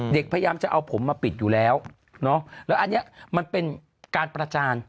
พยายามจะเอาผมมาปิดอยู่แล้วแล้วอันนี้มันเป็นการประจาน